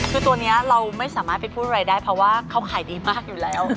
คือตัวนี้เราไม่สามารถไปพูดอะไรได้เพราะว่าเขาขายดีมากอยู่แล้ว